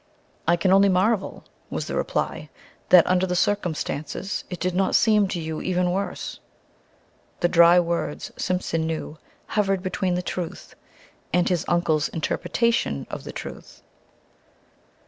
"I can only marvel," was the reply, "that under the circumstances it did not seem to you even worse." The dry words, Simpson knew, hovered between the truth, and his uncle's interpretation of "the truth."